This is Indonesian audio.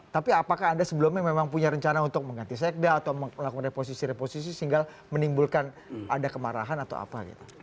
tapi apakah anda sebelumnya memang punya rencana untuk mengganti sekda atau melakukan reposisi reposisi sehingga menimbulkan ada kemarahan atau apa gitu